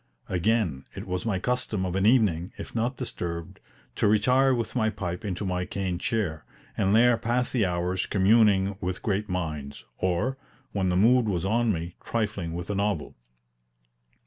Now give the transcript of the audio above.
Again, it was my custom of an evening, if not disturbed, to retire with my pipe into my cane chair, and there pass the hours communing with great minds, or, when the mood was on me, trifling with a novel.